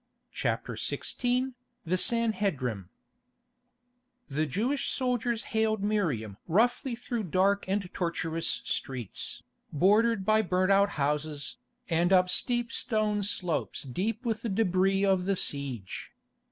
CHAPTER XVI THE SANHEDRIM The Jewish soldiers haled Miriam roughly through dark and tortuous streets, bordered by burnt out houses, and up steep stone slopes deep with the débris of the siege.